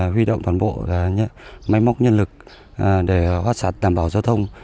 huy động toàn bộ máy móc nhân lực để thoát sạt đảm bảo giao thông